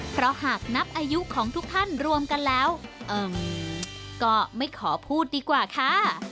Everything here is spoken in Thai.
เพราะหากนับอายุของทุกท่านรวมกันแล้วก็ไม่ขอพูดดีกว่าค่ะ